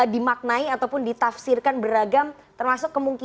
dimaknai ataupun ditafsirkan beragam